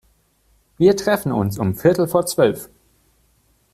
Wir treffen uns um viertel vor zwölf.